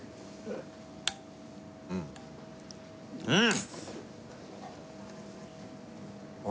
うんうん！